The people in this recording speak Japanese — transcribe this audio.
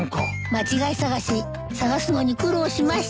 間違い探し探すのに苦労しました。